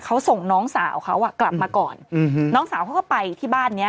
เขาส่งน้องสาวเขาอ่ะกลับมาก่อนอืมน้องสาวเขาก็ไปที่บ้านเนี้ย